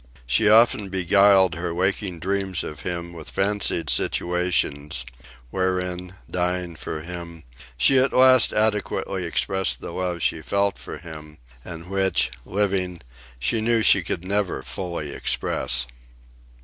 She often beguiled her waking dreams of him with fancied situations, wherein, dying for him, she at last adequately expressed the love she felt for him, and which, living, she knew she could never fully express.